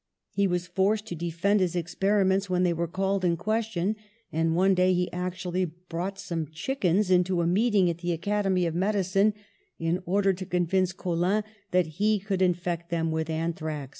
He was forced to defend his experiments when they were called in ques tion, and one day he actually brought some chickens into a meeting at the Academy of Medicine, in order to convince Colin that he could infect them with anthrax!